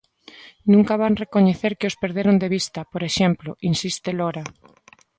Nunca van recoñecer que os perderon de vista, por exemplo, insiste Lora.